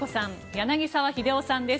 柳澤秀夫さんです。